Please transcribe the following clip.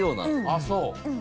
ああそう。